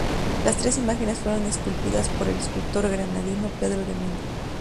Las tres imágenes fueron esculpidas por el escultor granadino Pedro de Mena.